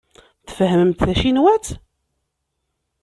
Tfehhmemt tacinwat?